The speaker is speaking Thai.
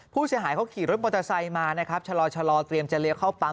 ผู้เสียหายเขาขี่รถมอเตอร์ไซค์มานะครับชะลอเตรียมจะเลี้ยวเข้าปั๊ม